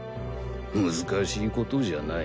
難しいことじゃない。